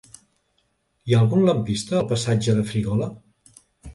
Hi ha algun lampista al passatge de Frígola?